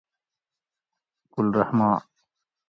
گل رحمان